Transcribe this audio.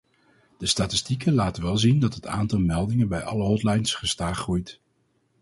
De statistieken laten wel zien dat het aantal meldingen bij alle hotlines gestaag groeit.